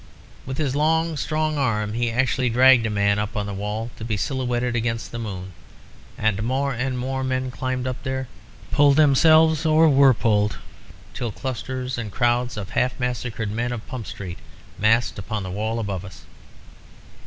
"With his long strong arm he actually dragged a man up on to the wall to be silhouetted against the moon, and more and more men climbed up there, pulled themselves and were pulled, till clusters and crowds of the half massacred men of Pump Street massed upon the wall above us.